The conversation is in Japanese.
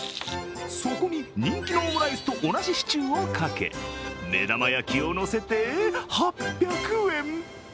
そこに、人気のオムライスと同じシチューをかけ、目玉焼きをのせて８００円。